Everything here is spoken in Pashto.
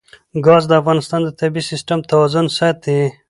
ګاز د افغانستان د طبعي سیسټم توازن ساتي.